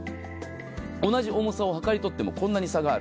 同じ重さを量り取ってもこんなに差がある。